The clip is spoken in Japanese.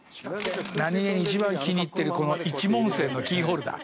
何気に一番気に入ってる、この一文銭のキーホルダー。